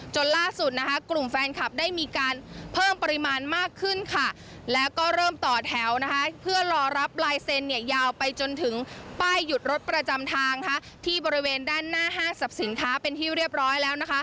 จนล่าสุดนะคะกลุ่มแฟนคลับได้มีการเพิ่มปริมาณมากขึ้นค่ะแล้วก็เริ่มต่อแถวเพื่อรอรับลายเซ็นต์ยาวไปจนถึงป้ายหยุดรถประจำทางที่บริเวณด้านหน้าห้างสรรพสินค้าเป็นที่เรียบร้อยแล้วนะคะ